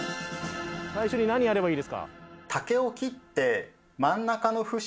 最初に何やればいいですか？